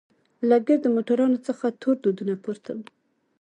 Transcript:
له ګردو موټرانو څخه تور دودونه پورته وو.